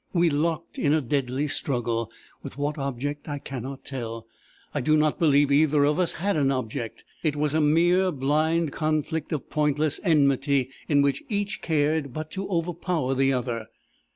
"We locked in a deadly struggle, with what object I cannot tell. I do not believe either of us had an object. It was a mere blind conflict of pointless enmity, in which each cared but to overpower the other.